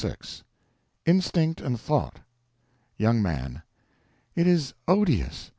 VI Instinct and Thought Young Man. It is odious.